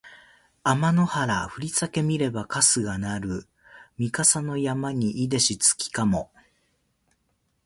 あまの原ふりさけ見ればかすがなるみ笠の山にいでし月かも